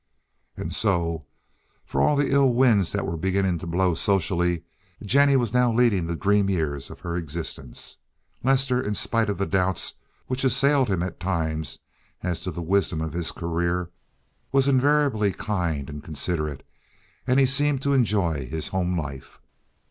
And so, for all the ill winds that were beginning to blow socially, Jennie was now leading the dream years of her existence. Lester, in spite of the doubts which assailed him at times as to the wisdom of his career, was invariably kind and considerate, and he seemed to enjoy his home life.